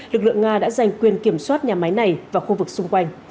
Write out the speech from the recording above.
lực lượng nga đã giành quyền kiểm soát nhà máy này và khu vực xung quanh